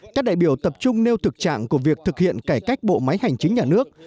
các đại biểu tập trung nêu thực trạng của việc thực hiện cải cách bộ máy hành chính nhà nước